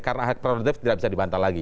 karena hak prerogatif tidak bisa dibantah lagi